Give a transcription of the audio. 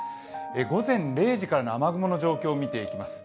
午前０時からの雨雲の状況を見ていきます。